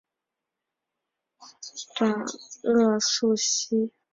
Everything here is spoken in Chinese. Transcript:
短萼素馨是木犀科素馨属的植物。